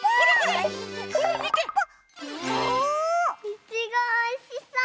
いちごおいしそう！